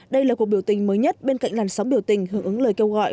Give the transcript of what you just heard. đây là cuộc biểu tình mới nhất bên cạnh làn sóng biểu tình hưởng ứng lời kêu gọi